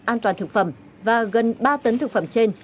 an toàn thực phẩm và gần ba tấn thực phẩm trên